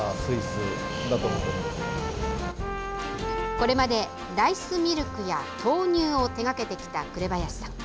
これまでライスミルクや豆乳を手がけてきた榑林さん。